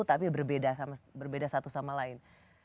tapi berbeda satu sama lain